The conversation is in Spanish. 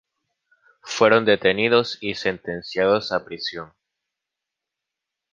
Fueron detenidos y sentenciados a prisión.